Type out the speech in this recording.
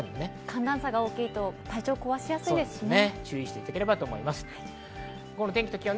寒暖差が大きいと体調壊しやすいですからね。